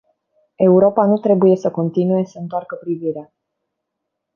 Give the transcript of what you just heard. Europa nu trebuie să continue să întoarcă privirea.